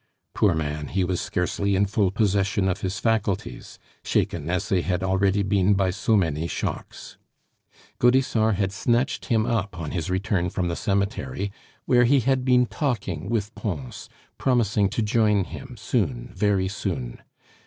Poor man, he was scarcely in full possession of his faculties, shaken as they had already been by so many shocks. Gaudissart had snatched him up on his return from the cemetery, where he had been talking with Pons, promising to join him soon very soon.